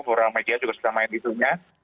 boromajia juga sudah main itunya